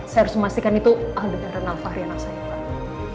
saya harus memastikan itu aldebaran alfahri anak saya pak